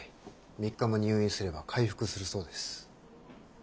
３日も入院すれば回復するそうです。